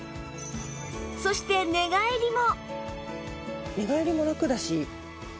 そして寝返りも